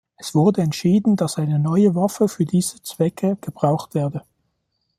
Es wurde entschieden, dass eine neue Waffe für diese Zwecke gebraucht werde.